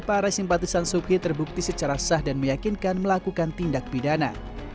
para simpatisan suki terbukti secara sah dan meyakinkan melakukan tindak pidana